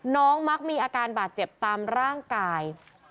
มักมีอาการบาดเจ็บตามร่างกาย